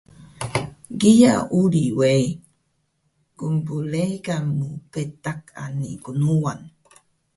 kiya uri we qnbleqan mu betaq ani knuwan